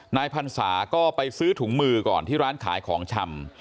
พันศาก็ไปซื้อถุงมือก่อนที่ร้านขายของชำ